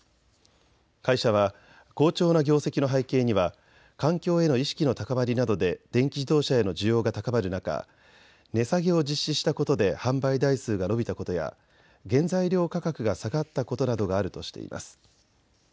会社は好調な業績の背景には環境への意識の高まりなどで電気自動車への需要が高まる中、値下げを実施したことで販売台数が伸びたことや原材料価格が下がったことなどがあるとしています。